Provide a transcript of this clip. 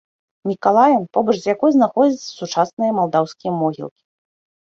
Мікалая, побач з якой знаходзяцца сучасныя малдаўскія могілкі.